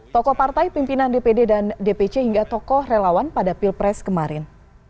tokoh partai pimpinan dpd dan dpc hingga tokoh relawan pada pilpres kemarin